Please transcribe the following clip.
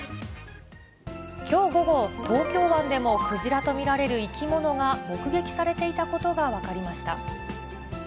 きょう午後、東京湾でもクジラと見られる生き物が目撃されていたことが分かりました。